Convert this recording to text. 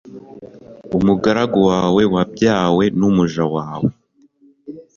umugaragu wawe wabyawe n’umuja wawe